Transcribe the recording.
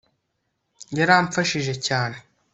Yaramfashije cyane